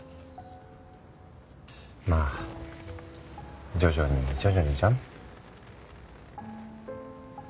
まあ徐々に徐々にじゃん？